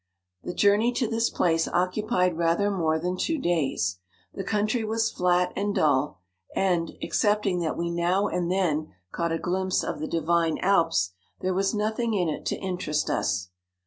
The journey to this place occupied rather more than two days. The country was flat and dull, and, excepting that we now and then caught a glimpse of the divine Alps, there was nothing in it to interest us.